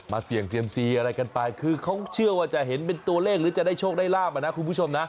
เสี่ยงเซียมซีอะไรกันไปคือเขาเชื่อว่าจะเห็นเป็นตัวเลขหรือจะได้โชคได้ลาบอ่ะนะคุณผู้ชมนะ